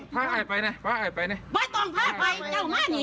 พาไอ้ไปไหนพาไอ้ไปไหนไม่ต้องพาไปเจ้าม่าหนีเองได้